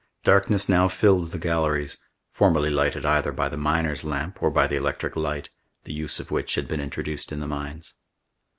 Darkness now filled the galleries, formerly lighted either by the miner's lamp or by the electric light, the use of which had been introduced in the mines.